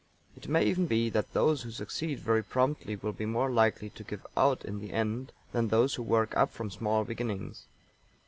It may even be that those who succeed very promptly will be more likely to give out in the end than those who work up from small beginnings.